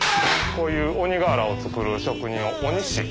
こういう鬼瓦を作る職人を鬼師。